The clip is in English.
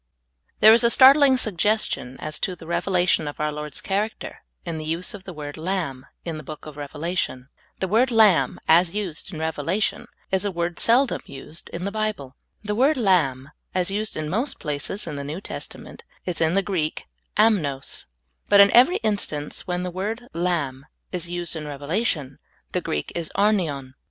THERE is a startling suggestion as to the revelation of our Lord's character in the use of the word lamb, in the book of Revelation. The word " lami)," as us£d in Revelation, is a word seldom used in the Bible. The word lamb, as used in most places in the New Testament, is in the Greek — am7ios ; but in every instance when the word lamb is used in Rev elation, the Greek is arnion.